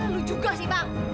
lu juga sih bang